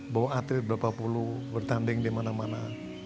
bawa atlet berapa puluh bertanding di mana mana